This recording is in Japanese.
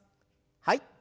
はい。